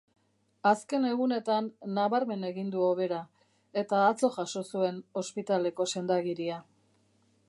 Azken egunetan nabarmen egin du hobera eta atzo jaso zuen ospitaleko sendagiria.